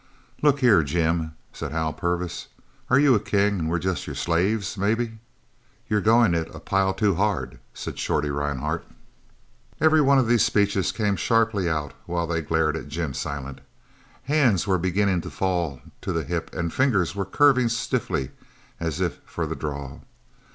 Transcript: "Look here, Jim," said Hal Purvis, "are you a king an' we jest your slaves, maybe?" "You're goin' it a pile too hard," said Shorty Rhinehart. Every one of these speeches came sharply out while they glared at Jim Silent. Hands were beginning to fall to the hip and fingers were curving stiffly as if for the draw.